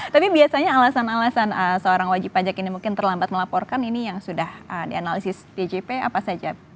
tapi biasanya alasan alasan seorang wajib pajak ini mungkin terlambat melaporkan ini yang sudah dianalisis djp apa saja